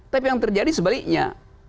tapi yang terjadi sebaliknya